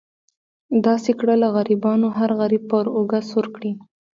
داسې کړه له غریبانو هر غریب پر اوږه سور کړي.